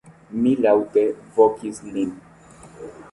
Mi laŭte vokis lin.